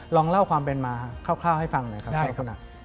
ลองเล่าความเป็นมาคร่าวให้ฟังหน่อยครับใครคุณ